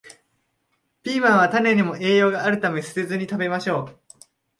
ピーマンは種にも栄養があるため、捨てずに食べましょう